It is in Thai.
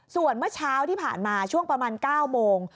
ส่วนเมื่อเช้าที่ผ่านมาช่วงประมาณ๙โมง